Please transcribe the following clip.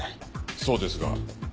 そうですが。